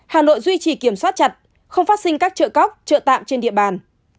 hà nội duy trì kiểm soát chặt không phát sinh các trợ cóc trợ tạm trên địa bàn